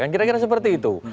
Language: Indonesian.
kira kira seperti itu